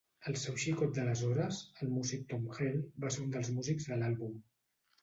El seu xicot d'aleshores, el músic Thom Hell, va ser un dels músics de l'àlbum.